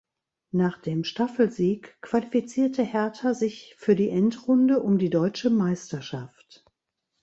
Nach dem Staffelsieg qualifizierte Hertha sich für die Endrunde um die Deutsche Meisterschaft.